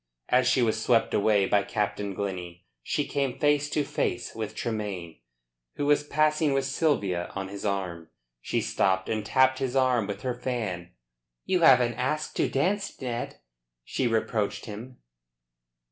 As she was swept away by Captain Glennie, she came face to face with Tremayne, who was passing with Sylvia on his arm. She stopped and tapped his arm with her fan. "You haven't asked to dance, Ned," she reproached him.